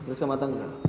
periksa mata enggak